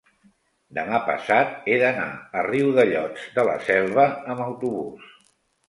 demà passat he d'anar a Riudellots de la Selva amb autobús.